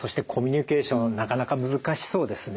なかなか難しそうですね。